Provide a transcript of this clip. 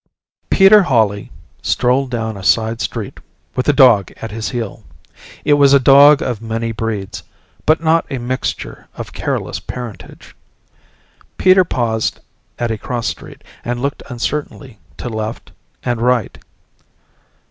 Peter Hawley strolled down a side street with a dog at his heel. It was a dog of many breeds, but not a mixture of careless parentage. Peter paused at a cross street and looked uncertainly to left and right.